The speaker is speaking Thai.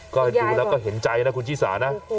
ก็ดูแล้วก็เห็นใจนะคุณชิสานะ